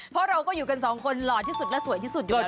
เพราะเราก็อยู่กันสองคนหล่อที่สุดและสวยที่สุดด้วย